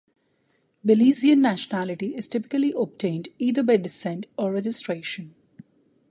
Belizean nationality is typically obtained either by descent or registration.